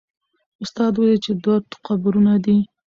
استاد وویل چې دوه قبرونه دي.